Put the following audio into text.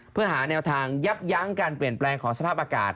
เพื่อหาแนวทางยับยั้งการเปลี่ยนแปลงของสภาพอากาศ